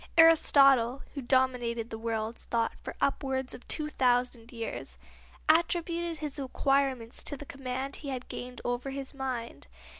Aristotle, who dominated the world's thought for upwards of two thousand years, attributed his acquirements to the command he had gained over his mind.